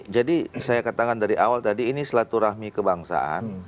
jadi saya katakan dari awal tadi ini selatu rahmi kebangsaan